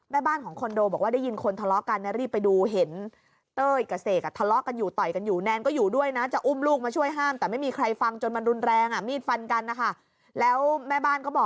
แม่บ้านของคอนโดบอกว่าได้ยินคนทะเลาะกันรีบไปดูเห็น